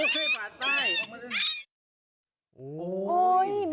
ผัวขาเดียวผัวเข้าใจ